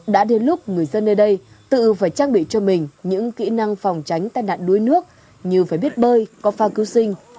đã đến lúc người dân nơi đây tự phải trang bị cho mình những kỹ năng phòng tránh tai nạn đuối nước như phải biết bơi có phao cứu sinh